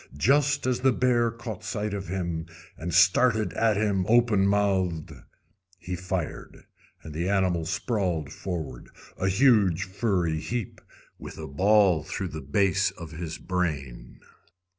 Just as the bear caught sight of him, and started at him open mouthed, he fired, and the animal sprawled forward, a huge furry heap, with a ball through the base of his brain.